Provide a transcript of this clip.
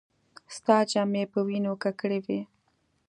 ستا جامې په وينو ککړې وې.